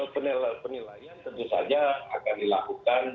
penilaian tentu saja akan dilakukan